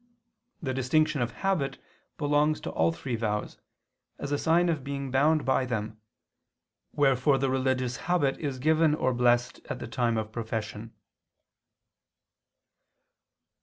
The distinction of habit belongs to all three vows, as a sign of being bound by them: wherefore the religious habit is given or blessed at the time of profession.